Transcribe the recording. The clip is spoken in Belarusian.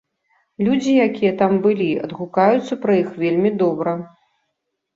Людзі, якія там былі, адгукаюцца пра іх вельмі добра.